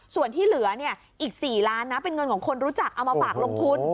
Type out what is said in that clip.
ส่วนที่เหลือเนี่ยอีก๔ล้านนะเป็นเงินของคนรู้จักเอามาฝากลงทุน